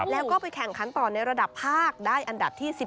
แล้วก็ไปแข่งขันต่อในระดับภาคได้อันดับที่๑๑